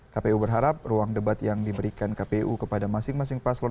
kpu berharap ruang debat yang diberikan kpu kepada masing masing paslon